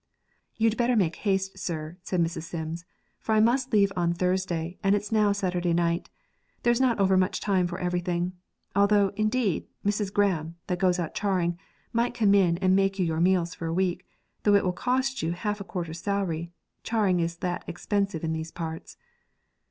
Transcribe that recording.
'You'd better make haste, sir,' said Mrs. Sims, 'for I must leave on Thursday, and now it's Saturday night. There's not overmuch time for everything although, indeed, Mrs. Graham, that goes out charing, might come in and make you your meals for a week, though it will cost you half a quarter's salary, charing is that expensive in these parts.'